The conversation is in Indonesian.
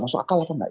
masuk akal apa tidak